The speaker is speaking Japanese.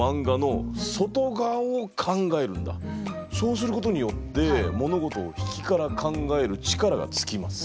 そうすることによって物事を引きから考える力がつきます。